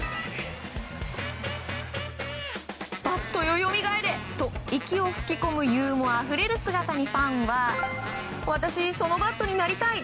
バットよよみがえれ！と息を吹き込むユーモアあふれる姿にファンは私、そのバットになりたい。